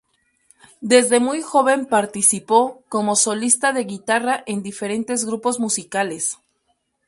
Desde muy joven participó como solista de guitarra en diferentes grupos musicales.